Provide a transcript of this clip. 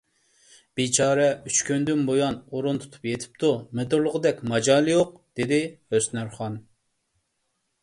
— بىچارە ئۈچ كۈندىن بۇيان ئورۇن تۇتۇپ يېتىپتۇ، مىدىرلىغۇدەك ماجالى يوق، — دېدى ھۆسنارخان.